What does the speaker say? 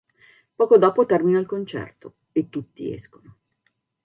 Poco dopo termina il concerto e tutti escono.